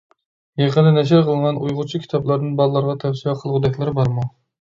يېقىندا نەشر قىلىنغان ئۇيغۇرچە كىتابلاردىن بالىلارغا تەۋسىيە قىلغۇدەكلىرى بارمۇ؟